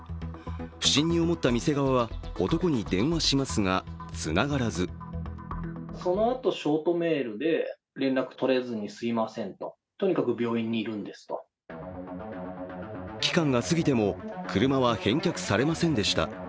不審に思った店側は男に電話しますがつながらず期間が過ぎても車は返却されませんでした。